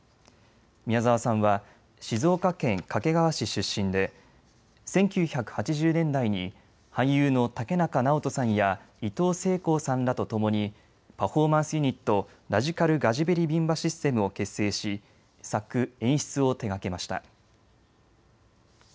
宮沢さんは静岡県掛川市出身で１９８０年代に俳優の竹中直人さんやいとうせいこうさんらと共にパフォーマンスユニット、ラジカル・ガジベリビンバ・システムを結成し作、演出を手がけました。